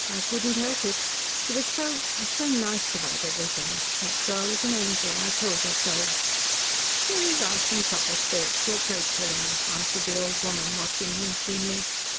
I could not help it. She was so so nice about everything. That girl is an angel. I told her so." "Very right and proper spirit to approach her in," answered the old woman, watching him keenly.